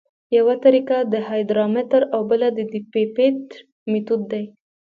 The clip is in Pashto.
یوه طریقه د هایدرامتر او بله د پیپیټ میتود دی